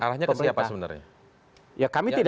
arahnya ke siapa sebenarnya